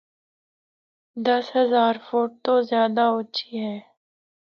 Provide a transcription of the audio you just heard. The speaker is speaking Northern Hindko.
دس ہزار فٹ تو زیادہ اُچی ہے۔